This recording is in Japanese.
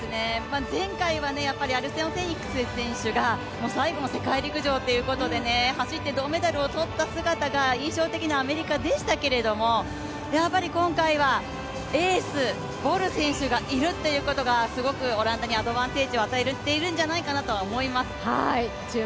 前回はアリソン・フェリックス選手が最後の世界陸上ということで銅メダルを取ったということが印象的なアメリカでしたけれども、今回はエース、ボル選手がいるということがすごくオランダにアドバンテージを与えているんじゃないかなと思います。